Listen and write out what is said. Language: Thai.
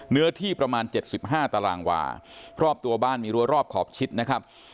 เนื้อที่ประมาณ๗๕ตารางวารอบตัวบ้านมีรัวรอบขอบชิดนะครับ